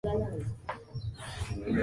kazi ya wamisionari Wakristo wa awali hasa